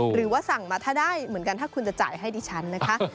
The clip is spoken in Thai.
หรือว่าสั่งมาถ้าได้เหมือนกันถ้าคุณจะจ่ายให้ดิฉันนะคะ